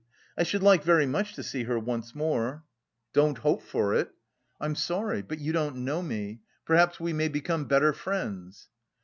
I should like very much to see her once more." "Don't hope for it." "I'm sorry. But you don't know me. Perhaps we may become better friends."